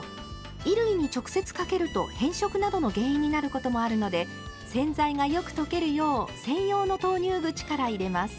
衣類に直接かけると変色などの原因になることもあるので洗剤がよく溶けるよう専用の投入口から入れます。